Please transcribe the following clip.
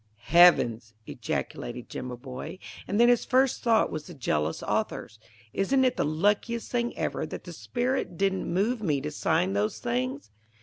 "Heavens!" ejaculated Jimaboy; and then his first thought was the jealous author's. "Isn't it the luckiest thing ever that the spirit didn't move me to sign those things?"